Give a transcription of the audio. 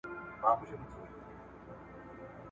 پړانګ چي هر څه منډي وکړې لاندي باندي `